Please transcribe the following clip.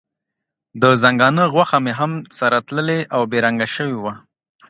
د ځنګانه غوښه مې هم سره تللې او بې رنګه شوې وه.